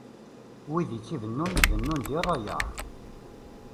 Wid i t-ibennun, bennun di rrayeɛ.